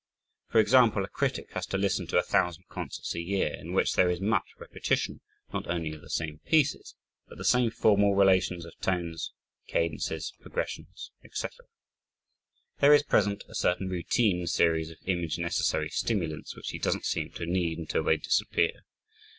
For example, a critic has to listen to a thousand concerts a year, in which there is much repetition, not only of the same pieces, but the same formal relations of tones, cadences, progressions, etc. There is present a certain routine series of image necessity stimulants, which he doesn't seem to need until they disappear.